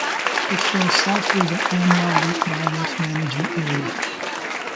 It flows south through the Amwell Lake Wildlife Management Area.